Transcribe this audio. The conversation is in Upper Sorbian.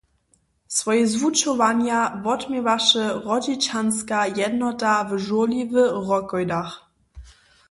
Swoje zwučowanja wotměwaše Hrodźišćanska jednota na žurli w Rakojdach.